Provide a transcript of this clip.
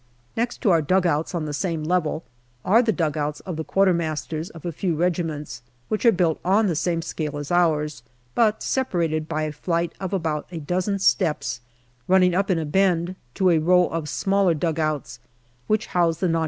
Next to our dugouts, on the same level, are the dugouts of the Q.M.'s of a few regiments, which are built on the same scale as ours, but separated by a flight of about a dozen steps running up in a bend to a row of smaller dug outs, which house the N.